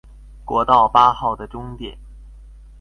國道八號的終點